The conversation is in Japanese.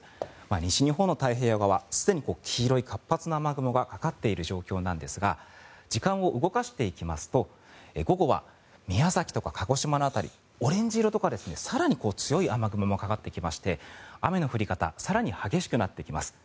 西日本の太平洋側すでに黄色い活発な雨雲がかかっている状況なんですが時間を動かしていきますと午後は宮崎とか鹿児島の辺りオレンジ色とか更に強い雨雲もかかってきまして雨の降り方更に激しくなってきます。